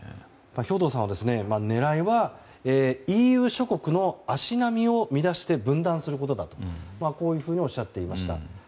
兵頭さんは狙いはＥＵ諸国の足並みを乱して分断することだというふうにおっしゃっていました。